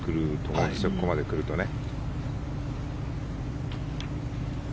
ここまで来るとね。